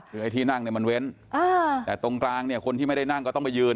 คือไอ้ที่นั่งเนี่ยมันเว้นแต่ตรงกลางเนี่ยคนที่ไม่ได้นั่งก็ต้องไปยืน